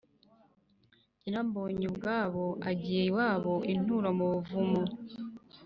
Nyirambonyubwabo agiye iwabo-Inturo mu buvumo.